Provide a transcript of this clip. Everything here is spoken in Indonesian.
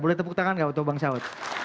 boleh tepuk tangan gak untuk bang sahut